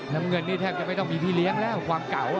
น้ำเงินนี่แทบจะไม่ต้องมีพี่เลี้ยงแล้วความเก่า